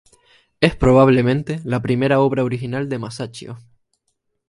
Es probablemente la primera obra original de Masaccio.